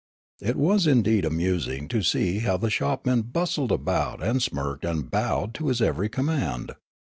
It was indeed amusing to see how the shopmen bustled about and smirked and bowed to his every command.